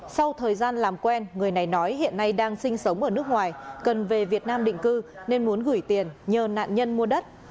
sau thời gian làm quen người này nói hiện nay đang sinh sống ở nước ngoài cần về việt nam định cư nên muốn gửi tiền nhờ nạn nhân mua đất